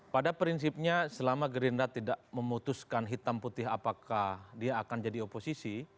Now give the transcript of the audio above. pada prinsipnya selama gerindra tidak memutuskan hitam putih apakah dia akan jadi oposisi